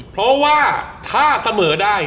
เพราะว่าถ้าเสมอได้